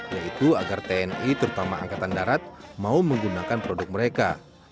yaitu agar tni terutama angkatan darat mau menggunakan produk mereka